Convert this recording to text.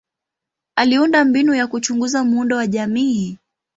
Aliunda mbinu za kuchunguza muundo wa jamii.